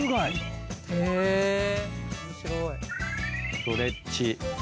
ストレッチ。